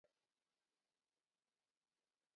nyeren kore bolatet ne ya